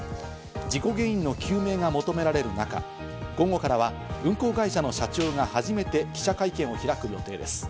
事故原因の究明が求められる中、午後からは運航会社の社長が初めて記者会見を開く予定です。